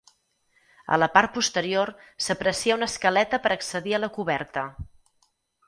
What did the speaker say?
A la part posterior s'aprecia una escaleta per accedir a la coberta.